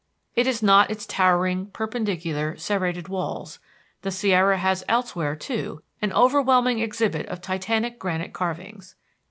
It is not its towering, perpendicular, serrated walls; the Sierra has elsewhere, too, an overwhelming exhibit of titanic granite carvings.